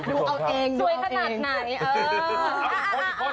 สวยขนาดไหน